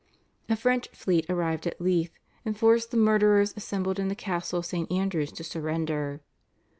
A French fleet arrived at Leith and forced the murderers assembled in the castle of St. Andrew's to surrender.